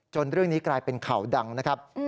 เรื่องนี้กลายเป็นข่าวดังนะครับ